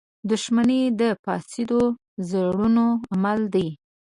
• دښمني د فاسدو زړونو عمل دی.